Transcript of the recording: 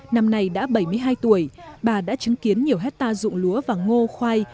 năm nay đã bảy mươi hai tuổi bà đã chứng kiến nhiều hectare dụng lúa và ngô khoai